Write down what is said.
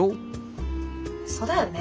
そうだよね。